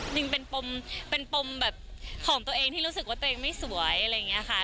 จริงเป็นปมแบบของตัวเองที่รู้สึกว่าตัวเองไม่สวยอะไรอย่างนี้ค่ะ